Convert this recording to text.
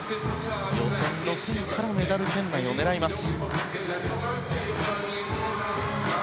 予選６位からメダル圏内を狙います。